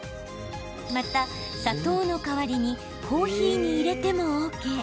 また、砂糖の代わりにコーヒーに入れてもＯＫ。